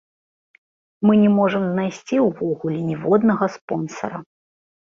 Мы не можам знайсці ўвогуле ніводнага спонсара.